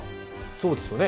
そうですよね。